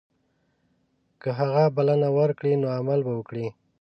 که هغه بلنه ورکړي نو عمل به وکړي.